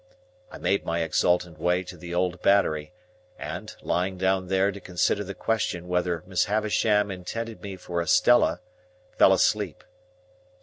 I made my exultant way to the old Battery, and, lying down there to consider the question whether Miss Havisham intended me for Estella, fell asleep.